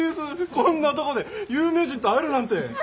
こんなとこで有名人と会えるなんて。